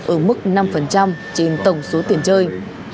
ở mức năm trên tổng số tiền chơi